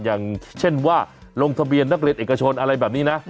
อย่างเช่นว่าลงทะเบียนนักเรียนเอกชนอะไรแบบนี้นะ